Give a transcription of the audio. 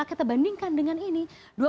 kita bandingkan dengan ini